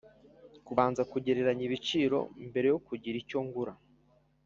Kubanza kugereranya ibiciro mbere yo kugira icyo ngura